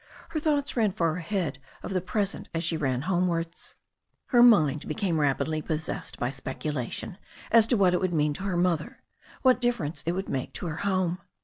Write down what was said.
Her thoughts ran far ahead of the present as she ran homewards. Her mind became rapidly possessed by specula tion as to what it would mean to her mother, what differ ence it would make to her home.